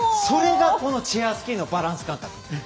それが、このチェアスキーのバランス感覚。